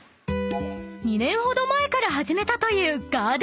［２年ほど前から始めたという］